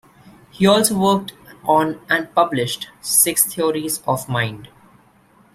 He also worked on and published "Six Theories of Mind".